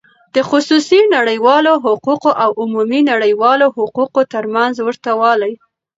د خصوصی نړیوالو حقوقو او عمومی نړیوالو حقوقو تر منځ ورته والی :